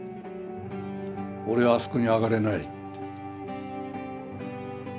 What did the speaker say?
俺はあそこに上がれないって。